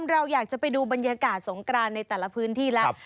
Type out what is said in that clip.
เราอยากจะไปดูบรรยากาศสงกรานในแต่ละพื้นที่แล้ว